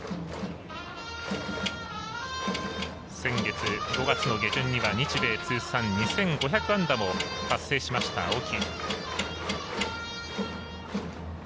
先月、５月下旬には日米通算２５００安打を達成しました、青木。